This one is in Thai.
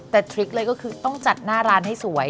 แต่ทริคเลยก็คือต้องจัดหน้าร้านให้สวย